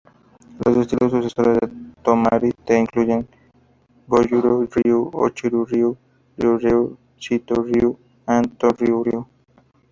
Los estilos sucesores del Tomari-Te incluyen el Gōjū-ryū, Uechi-ryū, Ryūei-ryū, Shito-ryu and Tōon-ryū.